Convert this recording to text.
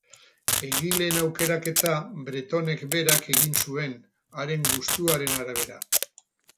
Egileen aukeraketa Bretonek berak egin zuen, haren gustuaren arabera.